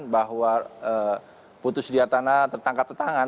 bahwa putu suliartana tertangkap tangan